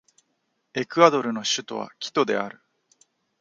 エクアドルの首都はキトである